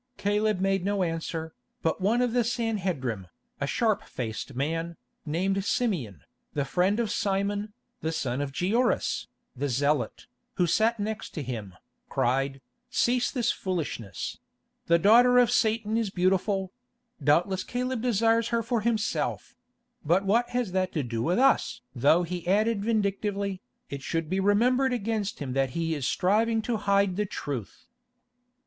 Caleb made no answer, but one of the Sanhedrim, a sharp faced man, named Simeon, the friend of Simon, the son of Gioras, the Zealot, who sat next to him, cried, "Cease this foolishness; the daughter of Satan is beautiful; doubtless Caleb desires her for himself; but what has that to do with us?" though he added vindictively, "it should be remembered against him that he is striving to hide the truth."